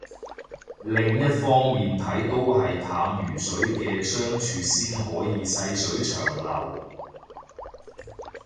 另一方面睇都係淡如水嘅相處先可以細水長流